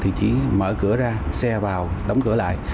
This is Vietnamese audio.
thì chỉ mở cửa ra xe vào đóng cửa lại